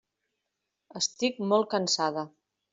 Estic molt cansada.